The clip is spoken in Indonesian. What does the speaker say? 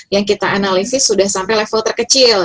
yang kita analisis sudah sampai level terkecil